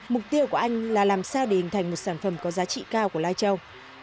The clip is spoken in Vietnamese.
mục tiêu của anh là làm sao để hình thành một sản phẩm có giá trị cao của lai châu